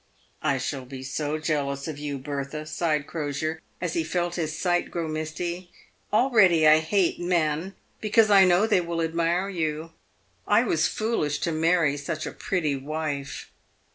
" I shall be so jealous of you, Bertha," sighed Crosier, as he felt his sight grow misty. " Already I hate men, because I know they will admire you. I was foolish to marry such a pretty wife."